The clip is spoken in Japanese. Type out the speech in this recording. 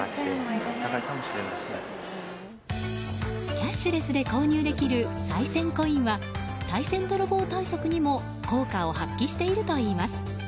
キャッシュレスで購入できるさい銭コインはさい銭泥棒対策にも効果を発揮しているといいます。